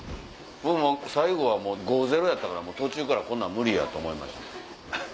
僕最後は５対０やったから途中から無理や！と思いました。